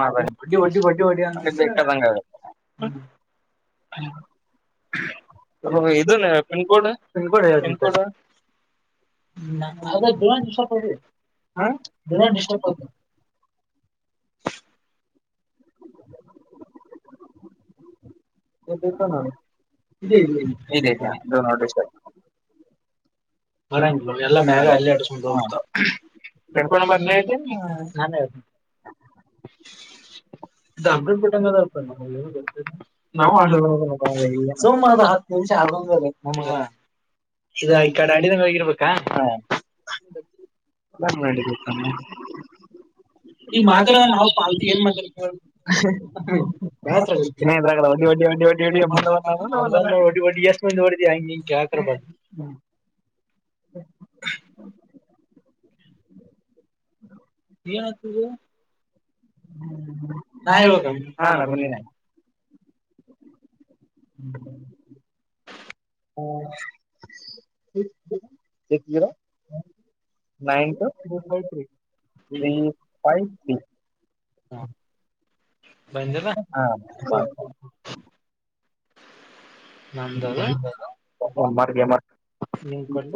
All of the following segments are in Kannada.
ಮಾರ ಬ ಹ ಅ ಇದ ಪಿನ್ ಕೋಡ್ ಎನ್ ಕೋಡ್ ಅದ ್ ಡಿಸ್ಟ ಆಿ ಹ ಂಡ ಡಿಸ್ಟ ಆತ [inaudible] ಸ ಬರಂಗ ಎಲ್ಲ ಮೇಘ ಎಲ್ಲಡು ಸಂತೋಷತ ತಪಣ ಮಗ್ನತ ನಾನ ಅಪ್ಡೇಟ್ ಕೊಟ್ಟಂಗ ನಾವುಮ್ಮ ನಿಮಿಷ ಆಗಂಗ ನಮಗ ಇದ ಈ ಕಡೆ ಅಡಿದಂಗ ಹಗಿರ್ಬೇಕಾ ಹ ನನ್ ಮಾಡಿತಾನೆ [unintelligible] ಈ ಮಾತಡ ನಾವು ಪ ಏನ್ ಮಾತಾಡ್ ರ್ಸ್ ಹೊ ಆಕರಬ ಹ್ಮ್ [unintelligible] [unintelligible] [inaudible] ತಗ ಹಾ ನಾ ಬನ್ನಿದ್ದ ಹ್ಮ ಹ್ಮ [unintelligible] ನೈನ್ ಟು ಫೈವ್ ಹಾ ಹಾ ನ್ದದ ನೀನ್ ಕೊಡ್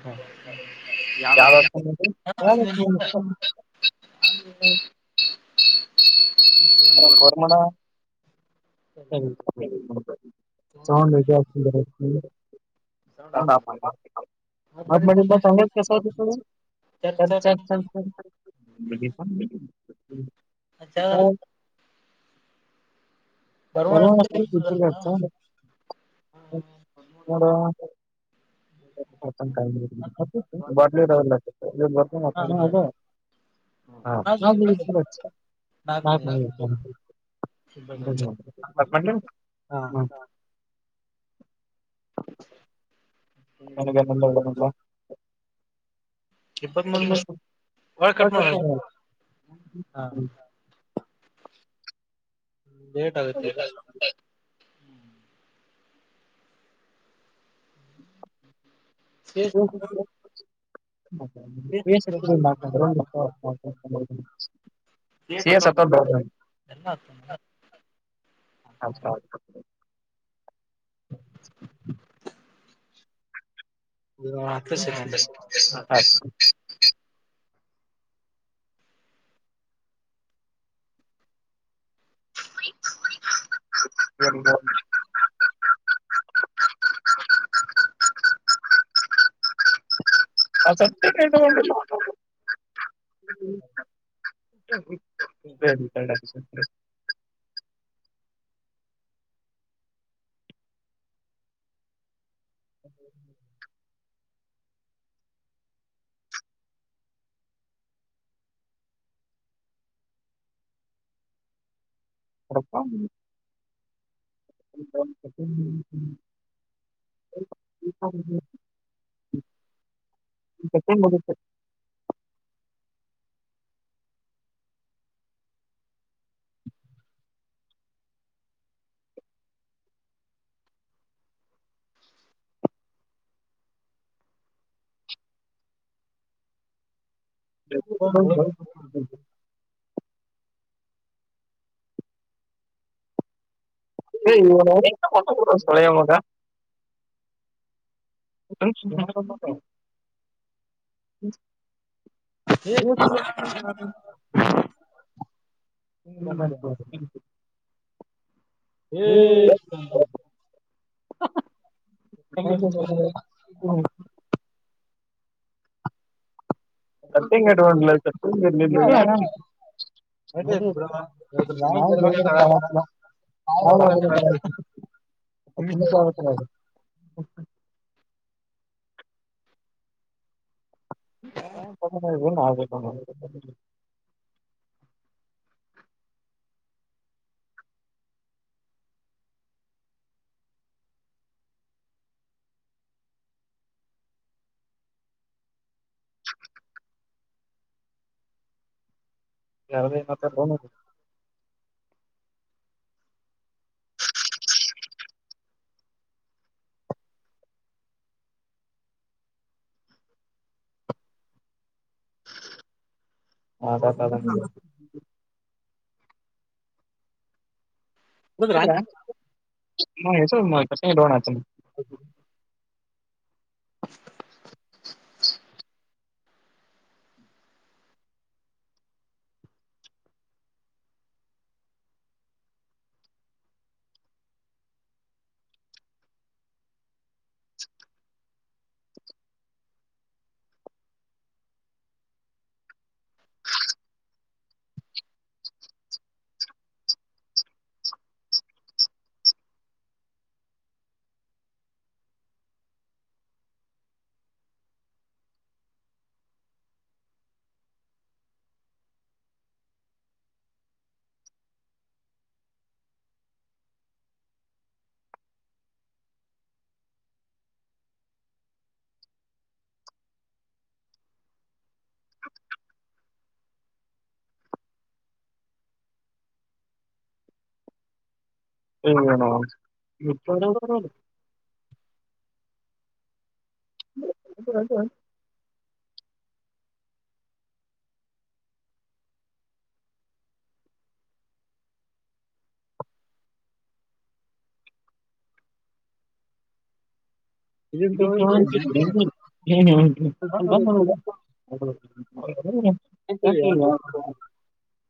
ಹ ಯ ಇ ಬರ್ಮ ಸರಿ ಚ [unintelligible] ಚರ್ ಚರ್ ಚ ಚ ಅ [unintelligible] [unintelligible] [inaudible] ಬರ್ಲಿರ ಬತ ಅದು ಹಾ [unintelligible] [unintelligible] ಇಪ್ಪತ್ತ್ ಮೂರು ನಿಮಿಷಳ ಕಟ್ ಮಾಡ ಹ ಹ್ಮ ಲೇಟ್ ಆಗುತ್ತೆ ಸೇ [unintelligible] ಸ ಸತ [inaudible] ಹ ಅತ್ರ ಸರಿ ಹ್ಮ ಅ ಸತ್ತಗೊಂಡ ಹ [unintelligible] ಹ್ಮ ಅ ಹ [inaudible] [inaudible] [inaudible] ಹ ಇಳೆಯ ಮದ [inaudible] ಎ ಹ್ಮ ಬರ್ಬ ಹ್ಮ ಹ ಹ ಮತ್ತಂಗ ಇಟ್ಕೊಂಡ ನಾವಂತ ಹಷ ಆಗ ಹ ಕ ಪ ಆ ಆ ಯತ್ತ ಹದು ಹದ ಸಾ ಹುದ್ರಾ [unintelligible] ಪಾರ್ಸೆನಲ್ ಲೋನ್ ಹ [unintelligible] ಹ್ಮ [unintelligible] ಹಾ ಹಾ ಇದನ್ ತಗಳಕಿತ್ ಅಲ್ಲಿ ಬಂದ್. ನೋಡ್ ಹೌ [unintelligible] ಕೇಳತ್ತಿಯ್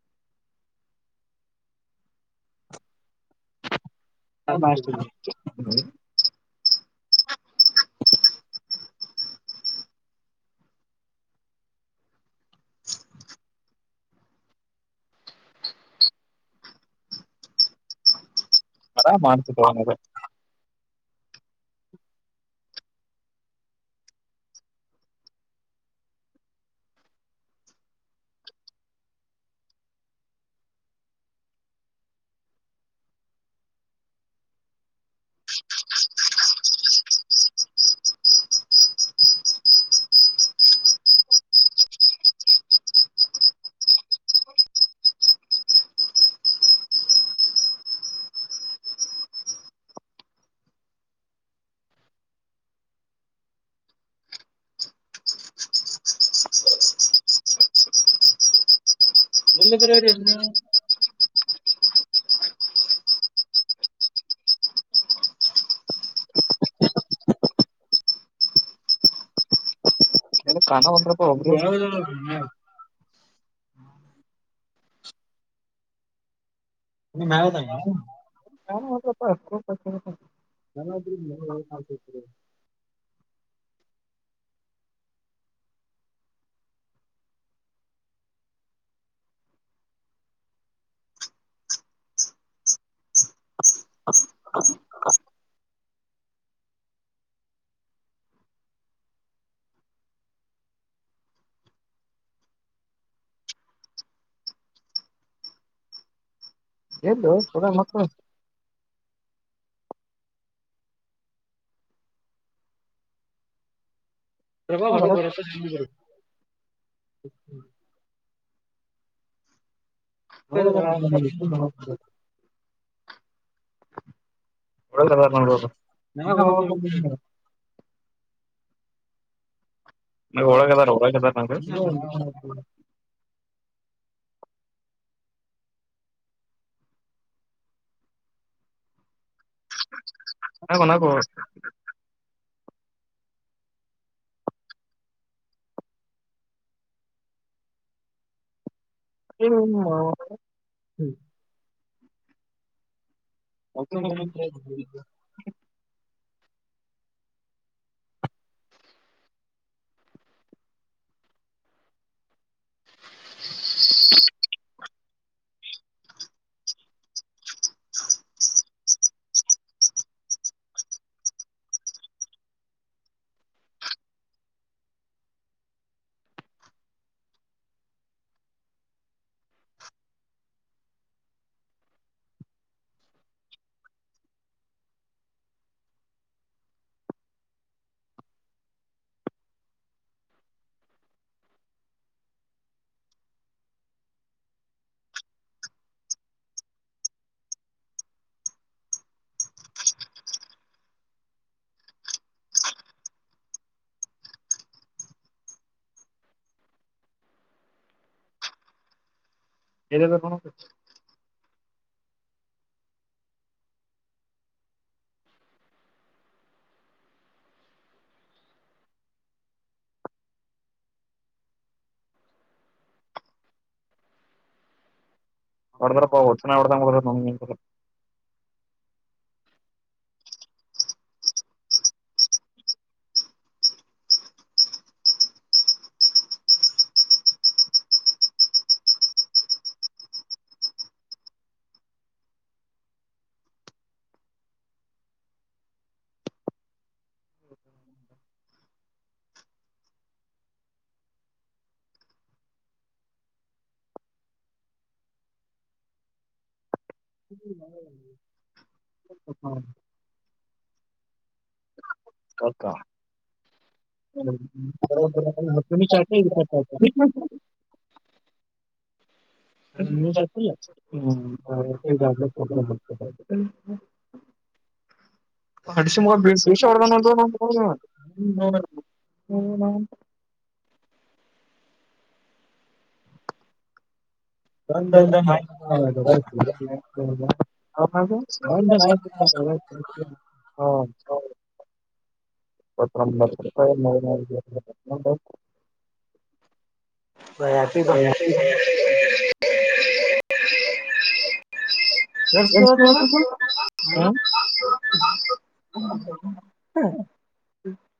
ಹ ಬ [unintelligible] [unintelligible] ಅರಾಮ ಅಂತಿದೊ ಎಲ್ಲಿ ಇದ್ದ್ರೀ ಹೇಳ್ರೀ ಇಷ್ಟ್ ದಿನ ಕಾನ ಹೋಗಪ ನೀಮ್ [unintelligible] [unintelligible] ಎನ್ ದೋಸ್ತ್ [unintelligible] ಪ್ರಭಾ ಬರಬರ ನೀ ನ [unintelligible] ನ [unintelligible] ನಗೆ ಹಳಗದಾರ ಒಳಗ ಅದಾರ ನಂಗ ಹ ನಕ ಏನಮ ಹ್ಮ್ [unintelligible] [unintelligible] ಎಲ್ಲಿದೆ ಕಣೋ ನೋಡ್ ಬೇಡಪ್ಪಾ ಹುಚ್ಚ್ ನಾಯಿಗ್ ಹೊಡ್ದಾಂಗ ಹೊಡ್ದಾನ ಹ [unintelligible] ಹ ಮಾಡ್ ಬರ ಚಾರತ [unintelligible] ಹೆ [unintelligible] [unintelligible] ಶೇಷ ಹೊಡ್ದಾಂಗ ಹೊಡ್ದಾನ [unintelligible] ಹ ಹ [unintelligible] ಪಂಬ [unintelligible] [unintelligible] ಎರ್ಸವತ [unintelligible] ಹ್ಮ ಹ